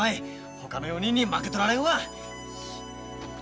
ほかの４人に負けとられんわ。